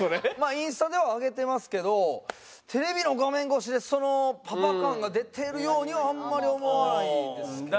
インスタでは上げてますけどテレビの画面越しでそのパパ感が出てるようにはあんまり思わないですけど。